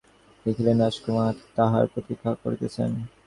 দেখিলেন রাজকুমারী তাঁহার প্রতীক্ষা করিতেছেন।